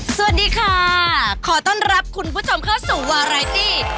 สวัสดีค่ะขอต้อนรับคุณผู้ชมเข้าสู่วาไรตี้